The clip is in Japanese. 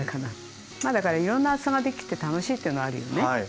まあだからいろんな厚さができて楽しいっていうのはあるよね。